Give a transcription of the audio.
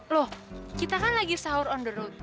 loh kita kan lagi sahur on the road